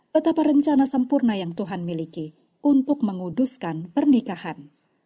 betapa rencana sempurna yang tuhan miliki untuk menguduskan pernikahan